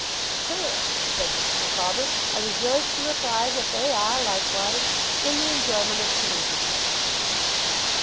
'Sir,' said Mr. Micawber, 'I rejoice to reply that they are, likewise, in the enjoyment of salubrity.